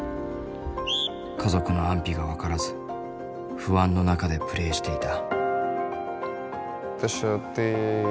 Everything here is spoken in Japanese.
家族の安否が分からず不安の中でプレーしていた。